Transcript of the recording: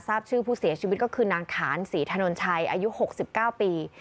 ทราบชื่อผู้เสียชีวิตก็คือนางขานศรีถนนชัยอายุ๖๙ปี